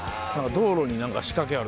道路に仕掛けある。